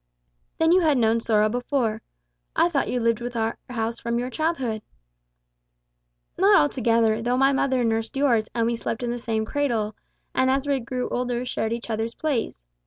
'" "Then you had known sorrow before. I thought you lived with our house from your childhood." "Not altogether; though my mother nursed yours, and we slept in the same cradle, and as we grew older shared each other's plays.